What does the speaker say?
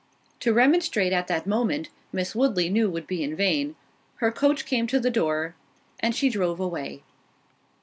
To remonstrate at that moment, Miss Woodley knew would be in vain—her coach came to the door, and she drove away.